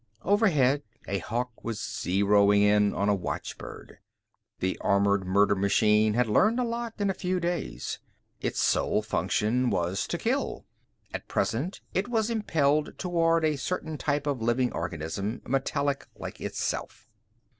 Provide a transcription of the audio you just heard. Overhead, a Hawk was zeroing in on a watchbird. The armored murder machine had learned a lot in a few days. Its sole function was to kill. At present it was impelled toward a certain type of living organism, metallic like itself.